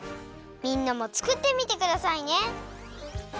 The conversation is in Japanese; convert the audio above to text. みんなもつくってみてくださいね。